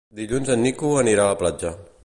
Dilluns en Nico anirà a la platja.